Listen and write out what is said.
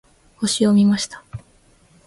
星を見ました。